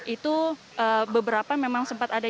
itu beberapa memang sempat ada yang tidak diperbolehkan